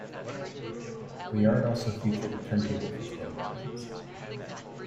The yard also featured a turntable for spinning engines.